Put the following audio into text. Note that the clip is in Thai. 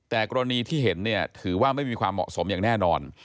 แต่กรณีที่เห็นเนี่ยถือว่าไม่มีความเหมาะสมอย่างแน่นอน